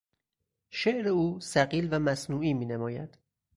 شعر او ثقیل و مصنوعی مینماید.